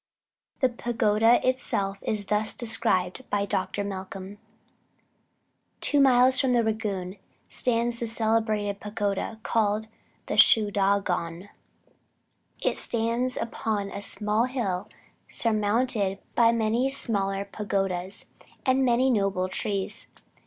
The pagoda itself is thus described by Dr. Malcom. "Two miles from Rangoon stands the celebrated pagoda called Shooda gôn. It stands upon a small hill surmounted by many smaller pagodas, and many noble trees.